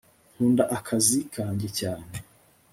nkunda akazi kanjye cyane